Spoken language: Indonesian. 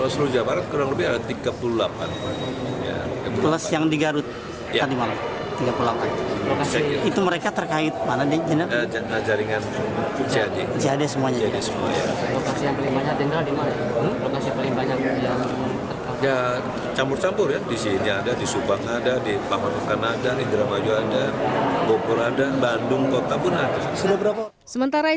sementara itu dibelitar jawabannya